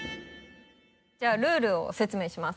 じゃあルールを説明します。